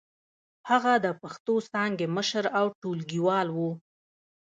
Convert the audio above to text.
هغه د پښتو څانګې مشر او ټولګيوال و.